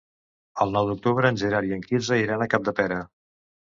El nou d'octubre en Gerard i en Quirze iran a Capdepera.